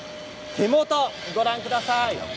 手元をご覧ください。